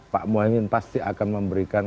pak muhaymin pasti akan memberikan